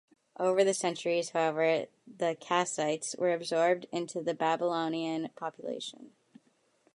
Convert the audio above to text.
Over the centuries, however, the Kassites were absorbed into the Babylonian population.